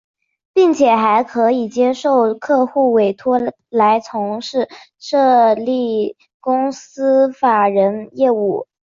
并且还可接受客户委托来从事设立公司法人业务。